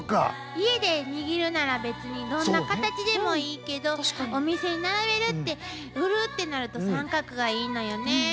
家で握るなら別にどんなカタチでもいいけどお店に並べるって売るってなると三角がいいのよね。